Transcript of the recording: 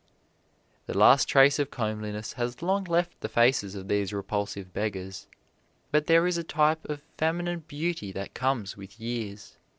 The last trace of comeliness has long left the faces of these repulsive beggars, but there is a type of feminine beauty that comes with years.